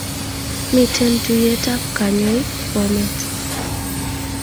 Miten tuyet ab kanyaiki Bomet